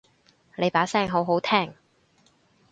你把聲好好聽